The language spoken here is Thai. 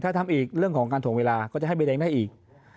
ถ้าทำอีกเรื่องของการถ่วงเวลาก็จะให้ใบแดงได้อีก